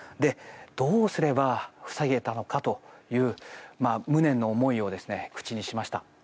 どうすれば防げたのかという無念の思いを口にしました。